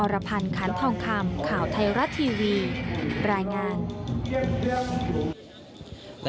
รพันธ์คันทองคำข่าวไทยรัฐทีวีรายงาน